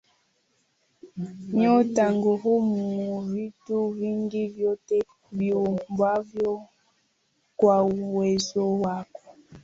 Nyota, ngurumo, vitu vingi vyote viumbwavyo kwa uwezo wako